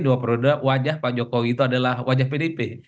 dua periode wajah pak jokowi itu adalah wajah pdip